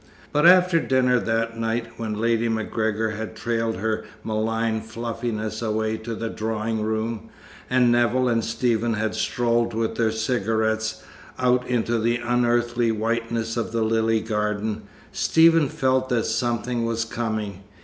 But after dinner that night, when Lady MacGregor had trailed her maligned "fluffiness" away to the drawing room, and Nevill and Stephen had strolled with their cigarettes out into the unearthly whiteness of the lily garden, Stephen felt that something was coming.